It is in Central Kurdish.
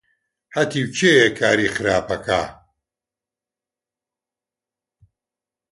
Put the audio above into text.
هەتیو کێیە کاری خراپ دەکا؟